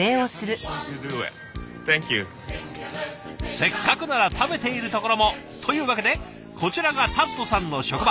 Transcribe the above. せっかくなら食べているところも。というわけでこちらがタッドさんの職場。